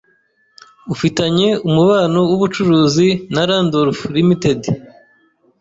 Ufitanye umubano wubucuruzi na Randolph Ltd?